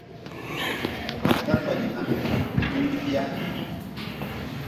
Ka ha dakpelnga ha nin bia.